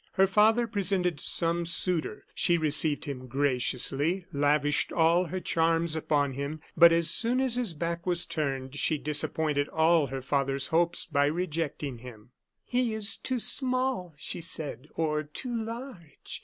Her father presented some suitor; she received him graciously, lavished all her charms upon him; but as soon as his back was turned, she disappointed all her father's hopes by rejecting him. "He is too small," she said, "or too large.